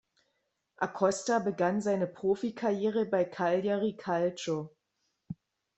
Acosta begann seine Profikarriere bei Cagliari Calcio.